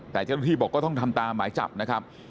แต่เจ้าหน้าที่บอกก็ต้องทำตามหมายจับนะครับ